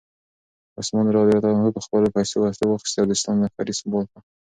عثمان رض په خپلو پیسو وسلې واخیستې او د اسلام لښکر یې سمبال کړ.